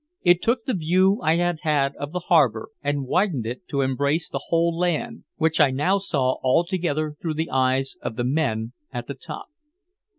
It took the view I had had of the harbor and widened it to embrace the whole land, which I now saw altogether through the eyes of the men at the top.